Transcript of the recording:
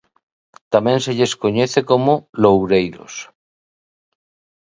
Tamén se lles coñece como 'loureiros'.